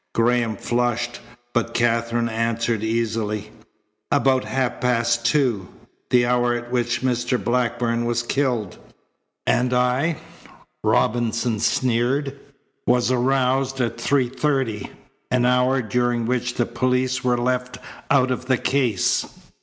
Graham flushed, but Katherine answered easily: "About half past two the hour at which Mr. Blackburn was killed." "And I," Robinson sneered, "was aroused at three thirty. An hour during which the police were left out of the case!"